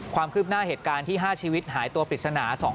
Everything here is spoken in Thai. ความคืบหน้าเหตุการณ์ที่๕ชีวิตหายตัวปริศนา